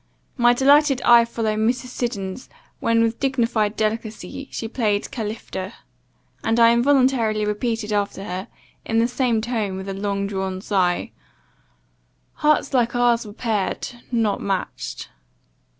My delighted eye followed Mrs. Siddons, when, with dignified delicacy, she played Califta; and I involuntarily repeated after her, in the same tone, and with a long drawn sigh, 'Hearts like our's were pair'd not match'd.